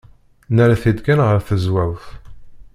Nerra-t-id kan ɣer tezwawt.